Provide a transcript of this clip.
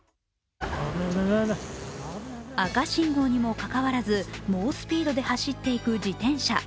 赤信号にもかかわらず、猛スピードで走っていく自転車。